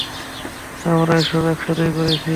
আমরা এসব একসাথেই করেছি।